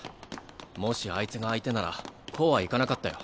もしあいつが相手ならこうはいかなかったよ。